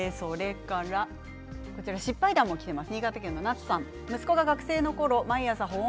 失敗談もきています。